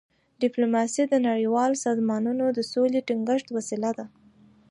ډيپلوماسي د نړیوالو سازمانونو د سولي د ټینګښت وسیله ده.